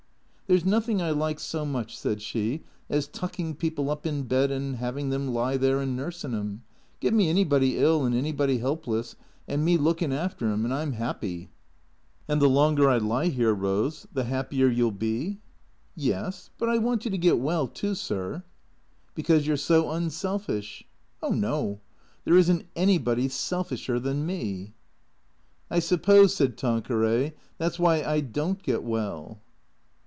" There 's nothing I like so much," said she, " as tucking people up in bed and 'aving them lie there and nursing 'em. Give me anybody ill, and anybody 'elpless, and me lookin' after 'em, and I 'm happy." " And the longer I lie here, Eose, the happier you '11 be ?"" Yes. But I want you to get well, too, sir." " Because you 're so unselfish." " Oh no. There is n't anybody selfisher than me." " I suppose," said Tanqueray, " that 's why I don't get well."